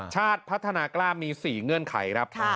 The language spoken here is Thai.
ชาติพัฒนากล้ามี๔เงื่อนไขครับ